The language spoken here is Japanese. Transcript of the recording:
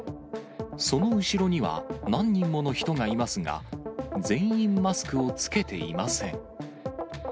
その後ろには何人もの人がいますが、全員マスクを着けていません。